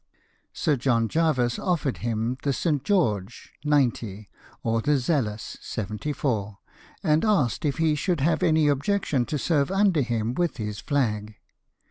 95 Sir John Jervis offered him the St George, 90, or the Zealous, 74, and asked if he should have any objection to serve under him with his flag.